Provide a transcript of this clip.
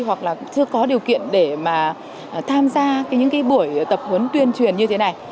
hoặc là chưa có điều kiện để mà tham gia những cái buổi tập huấn tuyên truyền như thế này